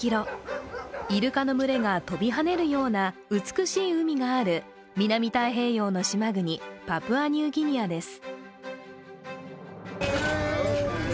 イルカの群れが跳びはねるような美しい海がある南太平洋の島国、パプアニューギニアです。